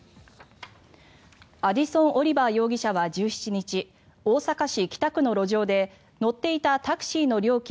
アディソン・オリバー容疑者は１７日、大阪市北区の路上で乗っていたタクシーの料金